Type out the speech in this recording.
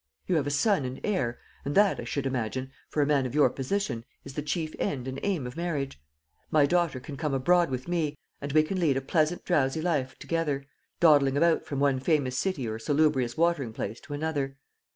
You have a son and heir, and that, I should imagine, for a man of your position, is the chief end and aim of marriage. My daughter can come abroad with me, and we can lead a pleasant drowsy life together, dawdling about from one famous city or salubrious watering place to another.